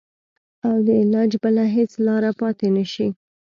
او د علاج بله هېڅ لاره پاته نه شي.